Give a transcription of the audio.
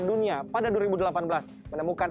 dunia pada dua ribu delapan belas menemukan